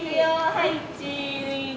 はいチーズ。